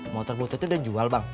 motor bututnya udah jual bang